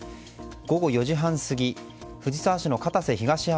午後３時半過ぎ藤沢市の片瀬東浜